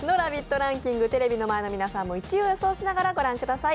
ランキングテレビの前の皆さんも１位を予想しながら御覧ください。